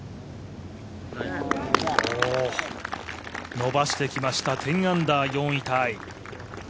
伸ばしてきました１０アンダー、４位タイ。